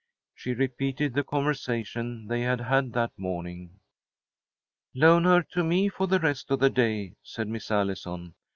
She repeated the conversation they had had that morning. "Loan her to me for the rest of the day," said Miss Allison.